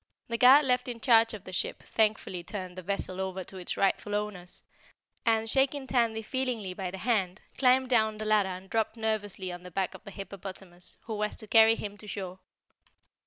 The guard left in charge of the ship thankfully turned the vessel over to its rightful owners and, shaking Tandy feelingly by the hand, climbed down the ladder and dropped nervously on the back of the hippopotamus, who was to carry him to shore.